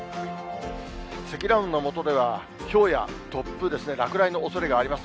積乱雲の下では、ひょうや突風、落雷のおそれがあります。